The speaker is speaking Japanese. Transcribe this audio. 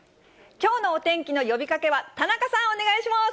きょうのお天気の呼びかけは、田中さん、お願いします。